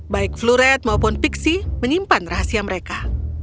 baik floret maupun pixie menyimpan rahasia mereka